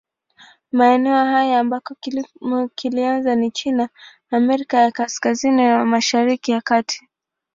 Maeneo haya ambako kilimo kilianza ni China, Amerika ya Kaskazini na Mashariki ya Kati.